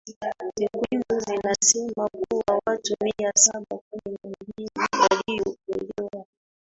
takwimu zinasema kuwa watu mia saba kumi na mbili waliokolewa